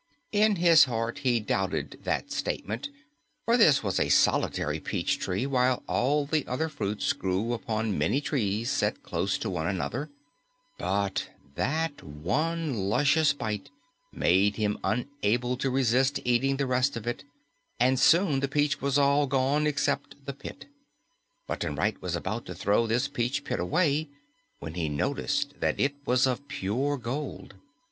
In his heart he doubted this statement, for this was a solitary peach tree, while all the other fruits grew upon many trees set close to one another; but that one luscious bite made him unable to resist eating the rest of it, and soon the peach was all gone except the pit. Button Bright was about to throw this peach pit away when he noticed that it was of pure gold.